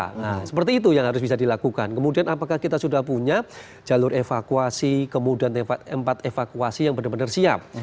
nah seperti itu yang harus bisa dilakukan kemudian apakah kita sudah punya jalur evakuasi kemudian tempat evakuasi yang benar benar siap